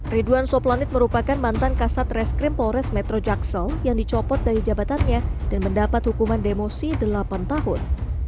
ridwan soplanit merupakan mantan kasat reskrim polres metro jaksel yang dicopot dari jabatannya dan mendapat hukuman demosi delapan tahun